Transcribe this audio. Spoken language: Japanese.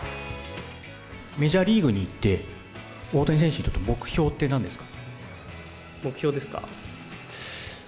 メジャーリーグに行って、大谷選手にとって目標って何ですか。